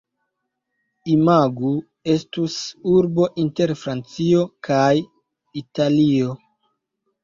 Imagu estus urbo inter Francio kaj Italio.